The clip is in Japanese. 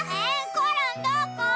コロンどこ？